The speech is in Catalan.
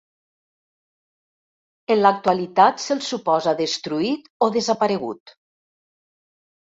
En l'actualitat se'l suposa destruït o desaparegut.